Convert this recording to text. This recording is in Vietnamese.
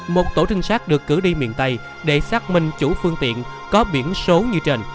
một tổ trinh sát được cử đi miền tây để xác minh chủ phương tiện có biển số như trên